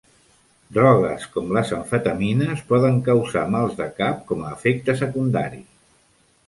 Drogues com les amfetamines poden causar mals de cap com a efecte secundari.